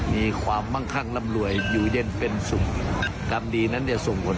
มีความมั่งคั่งรำรวยก็อยู่ที่ตัวเราเอง